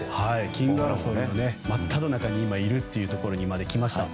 キング争いの真っただ中にいるところまで来ました。